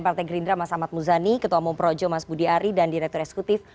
partai gerindra mas ahmad muzani ketua umum projo mas budi ari dan direktur eksekutif